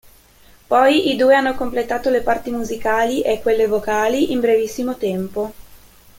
Poi i due hanno completato le parti musicali e quelle vocali in brevissimo tempo.